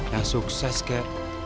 yang sukses kakek